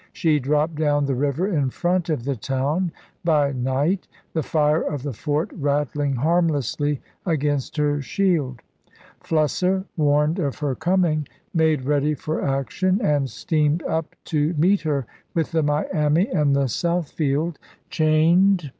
She dropped down the river in front of the town by night, the fire of the fort rattling harmlessly against her shield. Flusser, warned of her coming, made ready for action, and steamed up to meet her with the Miami and the Southfield chained 40 ABRAHAM LINCOLN MAPS OF THE COAST OF THE CAROLINAS.